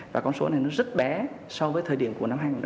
và con số này nó rất bé so với thời điểm của năm hai nghìn một mươi chín